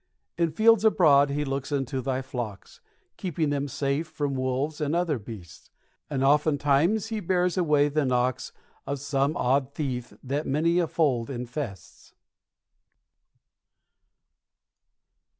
In fields abroad he looks unto thy flocks, Keeping them safe from wolves and other beasts; And oftentimes he bears away the knocks Of some odd thief that many a fold infests.